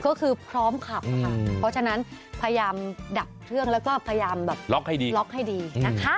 ก็คือพร้อมขับค่ะเพราะฉะนั้นพยายามดับเครื่องแล้วก็พยายามแบบล็อกให้ดีล็อกให้ดีนะคะ